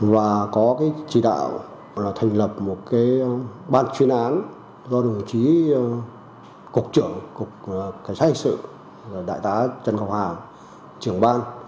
và có chỉ đạo là thành lập một cái ban chuyên án do đồng chí cục trưởng cục cảnh sát hình sự đại tá trần ngọc hoàng trưởng ban